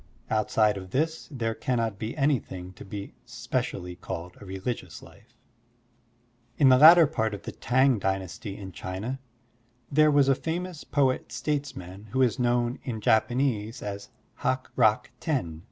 Outside of this there Digitized by Google WHAT IS BUDDHISM? 87 cannot be anything to be specially called a reli gious life." In the latter part of the T'ang Dynasty in China, there was a famous poet statesman who is known in Japanese as Hak Rak Ten.